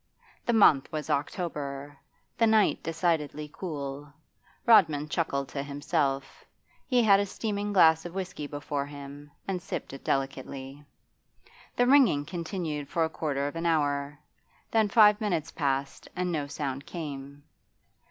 The month was October, the night decidedly cool. Rodman chuckled to himself; he had a steaming glass of whisky before him and sipped it delicately. The ringing continued for a quarter of an hour, then five minutes passed, and no sound came.